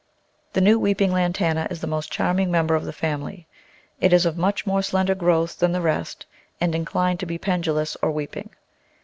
The new Weeping Lantana is the most charming member of the family. It is of much more slender growth than the rest and inclined to be pendulous, or weeping.